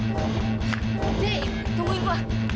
deh tungguin gua